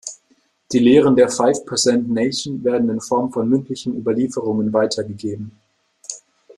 Die Lehren der Five Percent Nation werden in Form von mündlichen Überlieferungen weitergegeben.